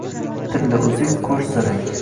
Tilla uzuk, qo`sh zirak